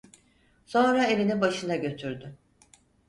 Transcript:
Sonra elini başına götürdü.